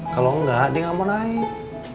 kalau enggak dia nggak mau naik